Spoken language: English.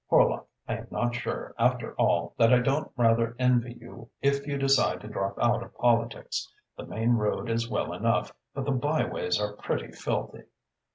Horlock, I am not sure, after all, that I don't rather envy you if you decide to drop out of politics. The main road is well enough, but the by ways are pretty filthy."